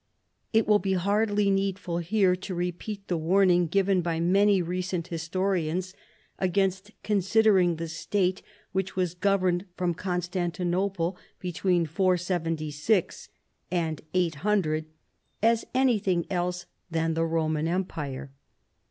It will be hardly needful here to repeat the warn ing given by many recent historians against consid ering the State which was governed from Constan tinople, between 4Y6 and 800, as anything else than the Rom.an empire.